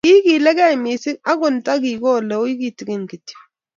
kiikiligei mising akot nto kikool oi kitikin kityo